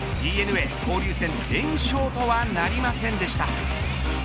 ＤｅＮＡ、交流戦連勝とはなりませんでした。